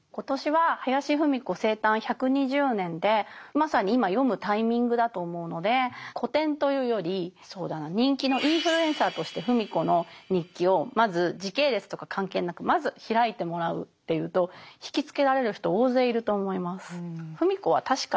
まさに今読むタイミングだと思うので古典というよりそうだな人気のインフルエンサーとして芙美子の日記をまず時系列とか関係なくまず開いてもらうっていうと惹きつけられる人大勢いると思います。